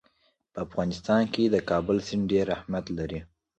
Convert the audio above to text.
په افغانستان کې د کابل سیند ډېر اهمیت لري.